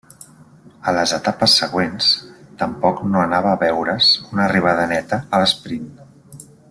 A les etapes següents, tampoc no anava a veure's una arribada neta a l'esprint.